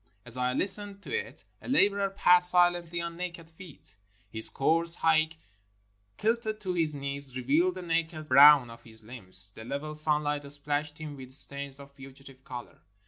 As I listened to it, a laborer passed silently on naked feet. His coarse hatk kilted to his knees revealed the naked brown of his limbs. The level sunlight splashed him with stains of fugitive color.